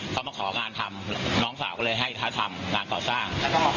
เขามาของานทำน้องสาวก็เลยให้เขาทำงานก่อสร้าง